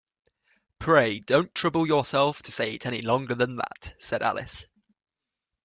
‘Pray don’t trouble yourself to say it any longer than that,’ said Alice.